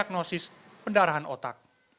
adi diagnosis pendarahan otak